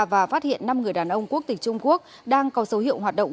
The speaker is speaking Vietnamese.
và phát hiện năm người đàn ông quốc tịch trung quốc đang có dấu hiệu hoạt động